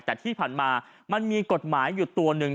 แต่ที่ผ่านมามันมีกฎหมายอยู่ตัวหนึ่ง